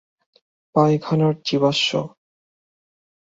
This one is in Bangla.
পায়খানার জীবাশ্ম।